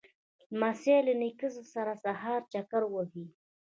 لمسی له نیکه سره د سهار چکر وهي.